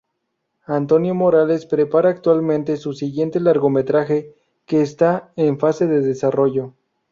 Antonio Morales prepara actualmente su siguiente largometraje, que está en fase de desarrollo.